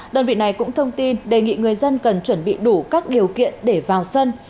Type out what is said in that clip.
đơn vị này cũng thông tin đề nghị người dân cần chuẩn bị đủ các điều kiện để vào sân